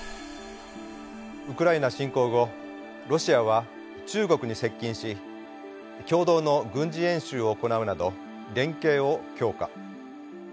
ウクライナ侵攻後ロシアは中国に接近し共同の軍事演習を行うなど連携を強化。